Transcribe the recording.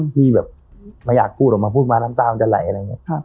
ที่แบบไม่อยากพูดออกมาพูดมาน้ำตามันจะไหลอะไรอย่างนี้